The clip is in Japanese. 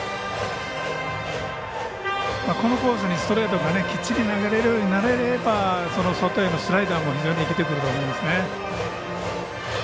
このコースにストレートがきっちり投げられるようになれば外へのスライダーも生きてくると思いますね。